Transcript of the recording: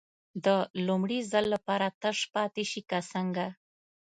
د لومړي ځل لپاره تش پاتې شي که څنګه.